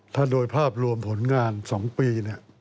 ถ้าโดยภาพรวมผลงาน๒ปี